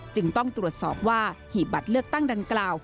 จึงต้องตรวจสอบว่าหีบบัตรเลือกตั้งดังกล่าว